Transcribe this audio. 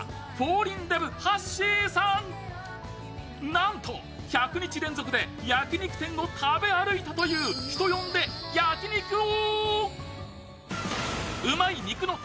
なんと１００日連続で焼き肉店を食べ歩いたという人呼んで、焼肉王。